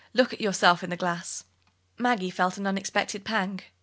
Look at yourself in the glass." Maggie felt an unexpected pang.